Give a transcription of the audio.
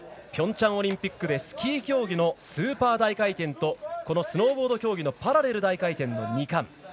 ピョンチャンオリンピックでスキー競技のスーパー大回転とスノーボード競技のパラレル大回転の２冠。